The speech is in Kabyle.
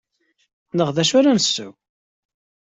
Neɣ: D acu ara nsew?